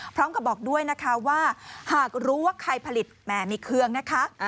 พร้อมกับบอกด้วยนะคะว่าหากรู้ว่าใครผลิตแหมมีเครื่องนะคะ